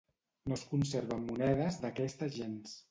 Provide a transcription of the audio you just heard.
No es conserven monedes d'aquesta gens.